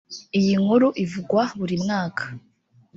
iyinkuru ivugwa burimwaka.